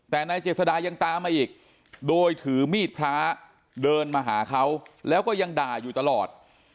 แต่นายเจษดายังตามมาอีกโดยถือมีดพระเดินมาหาเขาแล้วก็ยังด่าอยู่ตลอด